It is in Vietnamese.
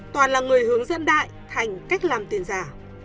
toàn là người hướng dẫn đại thành cách làm tiền giả